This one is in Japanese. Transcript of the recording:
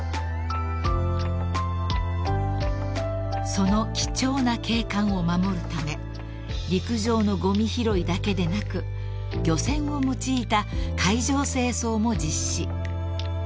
［その貴重な景観を守るため陸上のごみ拾いだけでなく漁船を用いた海上清掃も実施］